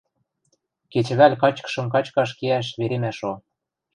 Кечӹвӓл качкышым качкаш кеӓш веремӓ шо.